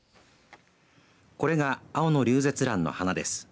これがアオノリュウゼツランの花です。